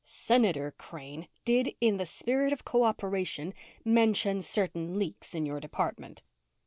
"Senator Crane did, in the spirit of co operation, mention certain leaks in your department."